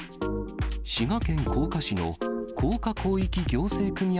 滋賀県甲賀市の甲賀広域行政組合